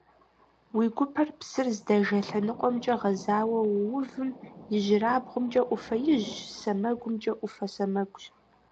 Уи гупэр псыр здэжэ лъэныкъуэмкӀэ гъэзауэ уувым ижьырабгъумкӀэ Ӏуфэ ижъщ, сэмэгумкӀэ Ӏуфэ сэмэгущ.